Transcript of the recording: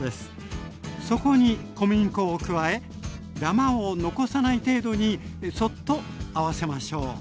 そこに小麦粉を加えだまを残さない程度にそっと合わせましょう。